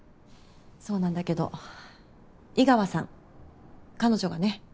そうなんだけど井川さん彼女がね